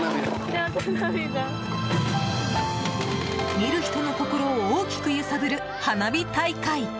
見る人の心を大きく揺さぶる花火大会。